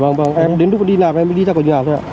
vâng em đến lúc đi làm em mới đi ra khỏi nhà thôi ạ